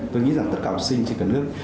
tôi nghĩ rằng tất cả học sinh trên cả nước